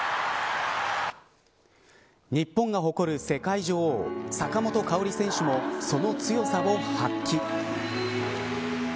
日本が誇る世界女王坂本花織選手もその強さを発揮。